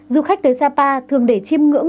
du khách tới sapa thường để chìm ngưỡng